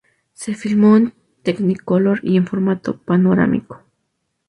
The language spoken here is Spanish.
Se filmó en Technicolor y en formato panorámico.